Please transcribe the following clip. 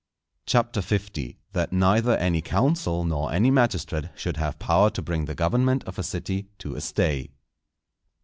CHAPTER L.—_That neither any Council nor any Magistrate should have power to bring the Government of a City to a stay.